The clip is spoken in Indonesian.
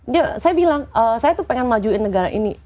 dia saya bilang saya tuh pengen majuin negara ini